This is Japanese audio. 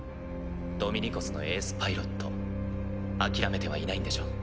ドミニコスのエースパイロット諦めてはいないんでしょ？